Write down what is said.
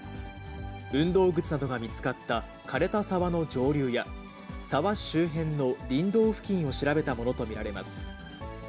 運動靴などが見つかったかれた沢の上流や、沢周辺の林道付近を調べたものと見られます。